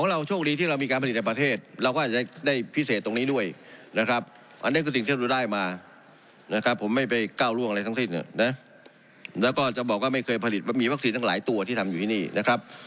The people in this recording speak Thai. แล้วก็จะบอกว่าไม่เคยผลิตว่ามีวัคซีนทั้งหลายตัวที่ทำอยู่ที่นี่นะครับ